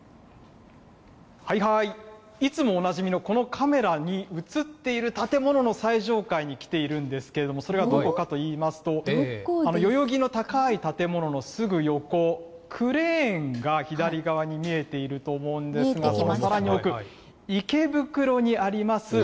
いつもおなじみのこのカメラに写っている建物の最上階に来ているんですけれども、それはどこかといいますと、代々木の高い建物のすぐ横、クレーンが左側に見えていると思うんですが、そのさらに奥、池袋にあります